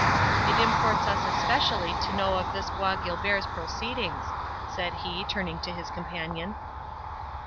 '—It imports us especially to know of this Bois Guilbert's proceedings," said he, turning to his companion.